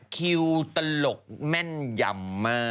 คิวตลกแม่นยำมาก